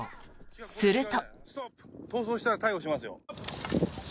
すると。